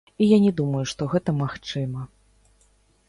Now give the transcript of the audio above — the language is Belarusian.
І я не думаю, што гэта магчыма.